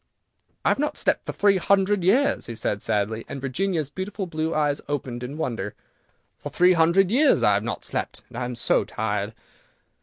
"I have not slept for three hundred years," he said sadly, and Virginia's beautiful blue eyes opened in wonder; "for three hundred years I have not slept, and I am so tired."